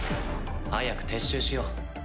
早く撤収しよう。